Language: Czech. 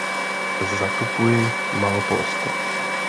Zatupuji Malopolsko.